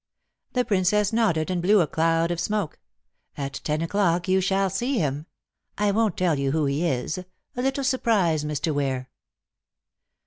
The Princess nodded and blew a cloud of smoke. "At ten o'clock you shall see him. I won't tell you who he is. A little surprise, Mr. Ware."